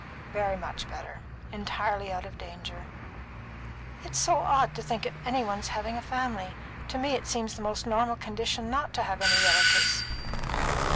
"Very much better entirely out of danger." "It's so odd to think of any one's having a family. To me it seems the normal condition not to have any relatives."